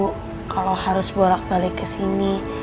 kalo harus bolak balik kesini